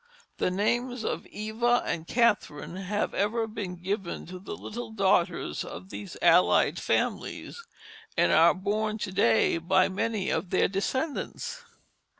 The names of Eva and Catherine have ever been given to the little daughters of these allied families, and are borne to day by many of their descendants.